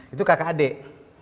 itu kakak adik